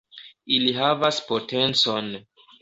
Ili havas potencon.